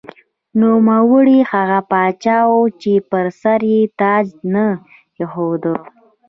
نوموړی هغه پاچا و چې پر سر یې تاج نه ایښوده.